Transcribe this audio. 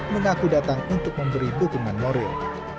mengaku datang untuk memberi dukungan moral